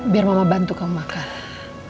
biar mama bantu kamu makanan